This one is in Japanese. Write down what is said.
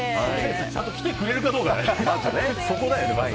ちゃんと来てくれるかどうかね。